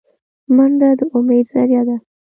منډه د امید ذریعه ده